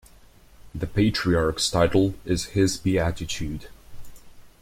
The Patriarch's title is "His Beatitude".